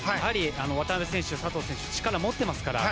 渡辺選手、佐藤選手力持ってますから。